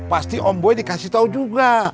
pasti om boy dikasih tahu juga